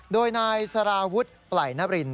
โดยนายสาราวุฒิไปล่อยนบริน